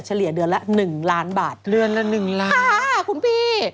เลี่ยเดือนละ๑ล้านบาทเดือนละ๑ล้านค่ะคุณพี่